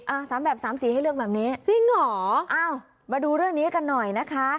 อ่ะสามแบบสามสีให้เลือกแบบนี้จริงเหรออ้าวมาดูเรื่องนี้กันหน่อยนะคะ